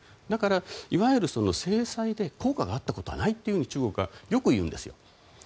だから、いわゆる制裁で効果があったことはないと中国はよく言うんですよ。